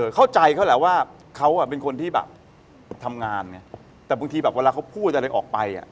เข้าใจเขาแหละว่าเขาเป็นคนที่แบบทำงานไงแต่บางทีแบบเวลาเขาพูดอะไรออกไปอ่ะ